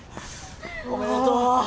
おめでとう。